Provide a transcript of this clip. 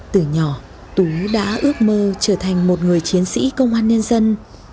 từ nhỏ tú đã ước mơ trở thành một người chiến sĩ công an nhân dân